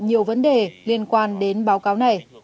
nhiều vấn đề liên quan đến báo cáo này